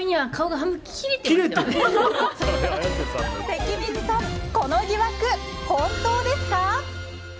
関水さん、この疑惑本当ですか？